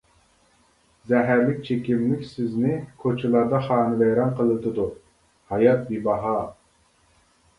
زەھەرلىك چېكىملىك سىزنى كوچىلاردا خانىۋەيران قىلىۋېتىدۇ، ھايات بىباھا!